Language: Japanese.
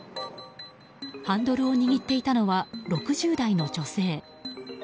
ハンドルを握っていたのは６０代の女性。